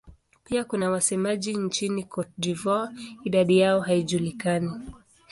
Pia kuna wasemaji nchini Cote d'Ivoire; idadi yao haijulikani.